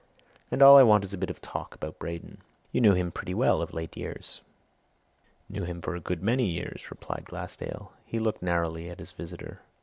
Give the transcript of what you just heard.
And all I want is a bit of talk about Braden. You knew him pretty well of late years?" "Knew him for a good many years," replied Glassdale. He looked narrowly at his visitor.